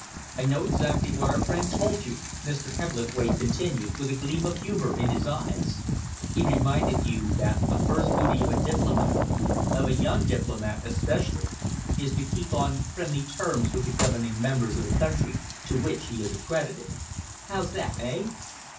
"I know exactly what our friend told you," Mr. Hebblethwaite continued, with a gleam of humour in his eyes. "He reminded you that the first duty of a diplomat of a young diplomat especially is to keep on friendly terms with the governing members of the country to which he is accredited. How's that, eh?"